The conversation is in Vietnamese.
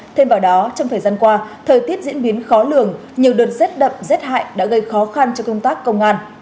thêm vào đó trong thời gian qua thời tiết diễn biến khó lường nhiều đợt rét đậm rét hại đã gây khó khăn cho công tác công an